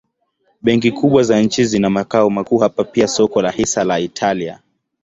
Benki kubwa za nchi zina makao makuu hapa pia soko la hisa la Italia.